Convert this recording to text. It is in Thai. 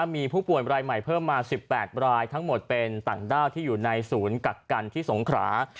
มีผู้ป่วยรายใหม่เพิ่มมา๑๘รายทั้งหมดเป็นต่างด้าวที่อยู่ในศูนย์กักกันที่สงขรา